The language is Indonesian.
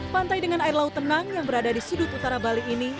pantai dengan air laut tenang yang berada di sudut utara bali ini